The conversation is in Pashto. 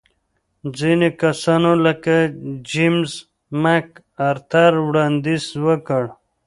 ځینو کسانو لکه جېمز مک ارتر وړاندیز وکړ.